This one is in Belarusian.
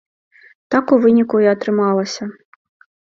Так у выніку і атрымалася.